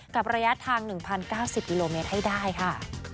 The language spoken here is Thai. กับระยะทางหนึ่งพันเก้าสิบกิโลเมตรให้ได้ค่ะ